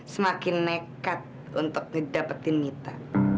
semakin nekat untuk mendapatkan mita